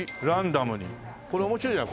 これ面白いじゃん。